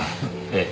ええ。